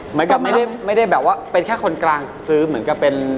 เหมือนกับไม่ได้แบบว่าเป็นแค่คนกลางซื้อเหมือนกับเป็น